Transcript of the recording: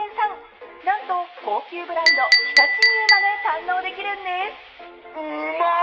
［何と高級ブランド常陸牛まで堪能できるんです］